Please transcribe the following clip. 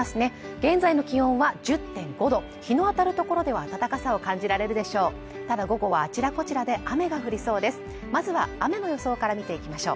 現在の気温は１０．５度日の当たるところでは暖かさを感じられるでしょう